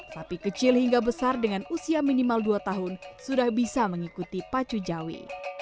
sapi kecil hingga besar dengan usia minimal dua tahun sudah bisa mengikuti pacu jawi